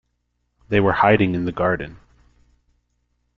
They were hiding in the garden.